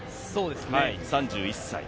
３１歳。